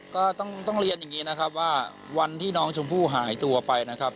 ก็ต้องเรียนอย่างนี้นะครับว่าวันที่น้องชมพู่หายตัวไปนะครับ